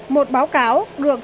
một báo cáo được